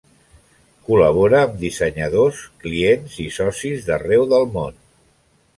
Col·labora amb dissenyadors, clients i socis d'arreu del món.